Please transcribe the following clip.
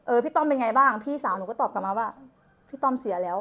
พี่ต้อมเป็นไงบ้างพี่สาวหนูก็ตอบกลับมาว่าพี่ต้อมเสียแล้ว